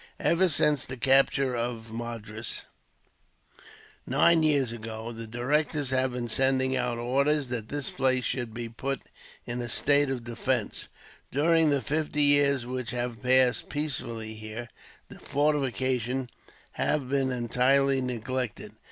"Ever since the capture of Madras, nine years ago, the directors have been sending out orders that this place should be put in a state of defence. During the fifty years which have passed peacefully here, the fortifications have been entirely neglected.